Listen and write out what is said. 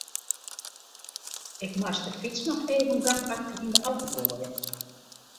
Ik moast de fyts noch even gau achter yn de auto goaie.